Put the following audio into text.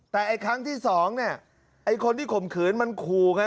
แต่ครั้งที่สองคนที่ข่มขืนมันคูไง